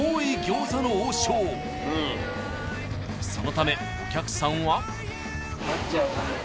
そのためお客さんは。